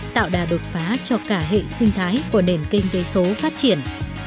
tạo đà đột phá cho cả hệ sinh thái của nền kinh tế số phát triển